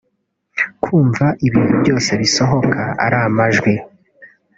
kumva ibintu byose bisohoka ari amajwi